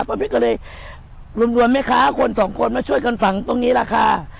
ป้าเพชรก็เลยรวมนะคะคนสองคนมาช่วยกันฝังตรงนี้ล่ะค่ะ